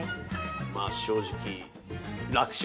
まあ正直楽勝？